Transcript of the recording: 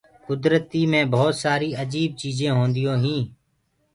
ڪُدرتي مي ڀوت سآري اجيب چيجينٚ هونديونٚ هينٚ۔